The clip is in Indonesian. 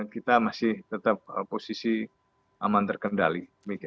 kita masih tetap posisi aman terkendali